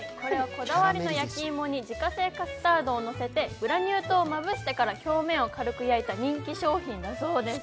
こだわりの焼き芋に自家製カスタードを乗せてグラニュー糖をまぶしてから表面を軽く焼いた人気商品だそうです。